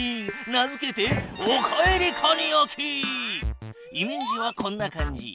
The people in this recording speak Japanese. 名付けてイメージはこんな感じ。